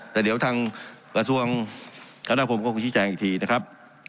แต่เดี๋ยวทางกระทรวงคณะคมก็ชี้แจงอีกทีนะครับ